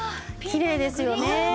きれいですよね！